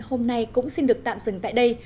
hôm nay cũng xin được tạm dừng tại đây